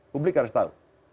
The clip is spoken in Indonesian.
publik harus tahu